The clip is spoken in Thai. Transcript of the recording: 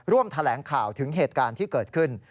แถลงข่าวถึงเหตุการณ์ที่เกิดขึ้น